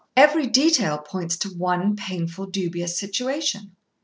Every detail points to one painful, dubious situation.